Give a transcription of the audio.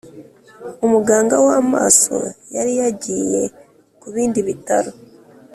umuganga wamaso yari yagiye kubindi bitaro